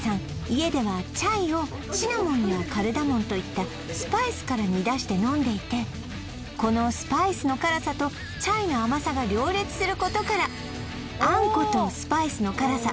家ではチャイをシナモンやカルダモンといったスパイスから煮出して飲んでいてこのスパイスの辛さとチャイの甘さが両立することからあんことスパイスの辛さ